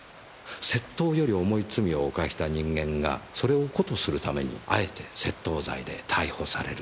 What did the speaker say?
窃盗より重い罪を犯した人間がそれを糊塗するためにあえて窃盗罪で逮捕される。